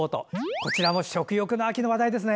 こちらも食欲の秋の話題ですね。